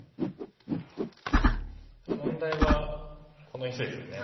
ただ問題はこの石ですよね。